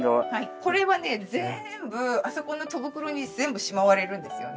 これはね全部あそこの戸袋に全部しまわれるんですよね。